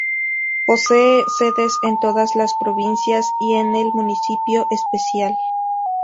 Posee sedes en todas las provincias y en el municipio especial.